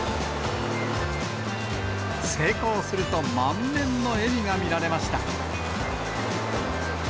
成功すると、満面の笑みが見られました。